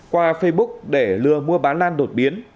qua facebook để lừa mua bán lan đột biến